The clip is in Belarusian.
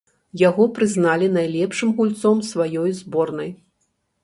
Яго прызналі найлепшым гульцом сваёй зборнай.